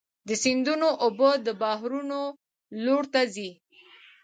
د سیندونو اوبه د بحرونو لور ته ځي.